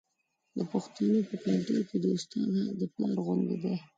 د پښتنو په کلتور کې د استاد حق د پلار غوندې دی.